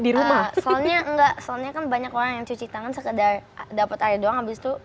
di rumah soalnya enggak soalnya kan banyak orang yang cuci tangan sekedar dapat air doang abis itu